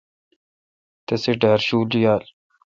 تسی ڈار شول یال۔